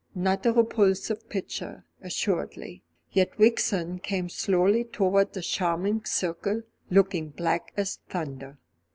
Not a repulsive picture, assuredly; yet Vixen came slowly towards this charming circle, looking black as thunder.